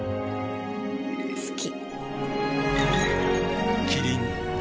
好き。